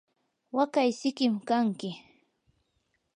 waqay sikim kanki.